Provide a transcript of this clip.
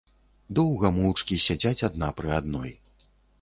Доўга моўчкі сядзяць адна пры адной.